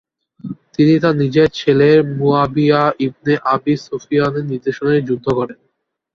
তিনি তার নিজের ছেলে মুয়াবিয়া ইবনে আবি সুফিয়ানের নির্দেশনায় যুদ্ধ করেন।